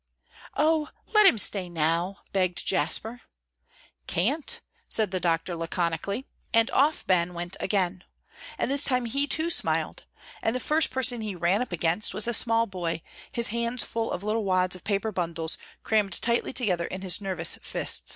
"Oh, let him stay now!" begged Jasper. "Can't," said the doctor, laconically. And off Ben went again. And this time he, too, smiled. And the first person he ran up against was a small boy, his hands full of little wads of paper bundles, crammed tightly together in his nervous fists.